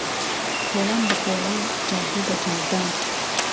کۆڵان به کۆڵان جاده به جاده